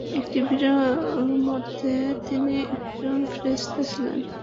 একটি বিরল মতে, তিনি একজন ফেরেশতা ছিলেন।